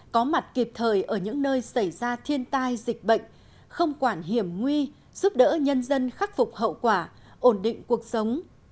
có mặt kịp thời ở những nơi xảy ra thiên tai dịch bệnh không quản hiểm nguy giúp đỡ nhân dân khắc phục hậu quả ổn định cuộc sống